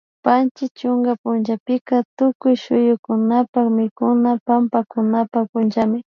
Panchi chunka punllapika tukuy suyukunapak mikuna pankakunapak punllami